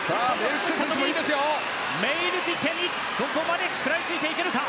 メイルティテにどこまで食らいつけるか。